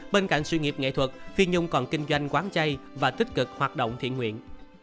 bên cạnh sự nghiệp nghệ thuật phi nhung còn kinh doanh quán chay và tích cực hoạt động thiện nguyện